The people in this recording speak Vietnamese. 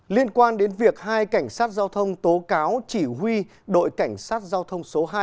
liên quan đến việc hai cảnh sát giao thông tố cáo chỉ huy đội cảnh sát giao thông số hai